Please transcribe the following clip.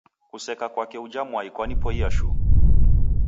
Kuseka kwake uja mwai kwanipoia shuu